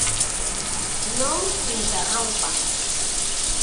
Non interrompan.